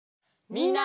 みんな！